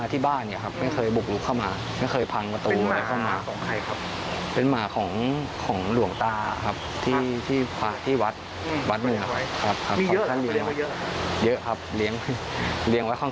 ตอนนี้ที่เรามาแจ้งพรรดากรนต์ตรวจเราอยากให้มีการเดินการอย่างไรบ้าง